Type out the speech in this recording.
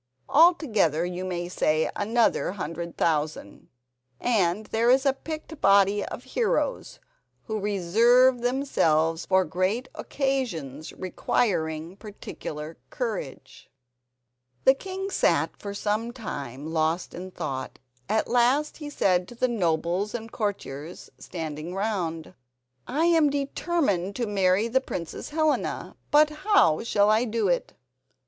Altogether you may say another hundred thousand, and there is a picked body of heroes who reserve themselves for great occasions requiring particular courage." The king sat for some time lost in thought. At last he said to the nobles and courtiers standing round: "I am determined to marry the Princess Helena, but how shall I do it?"